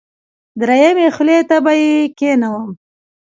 دریمې خولې ته به یې کېنوم.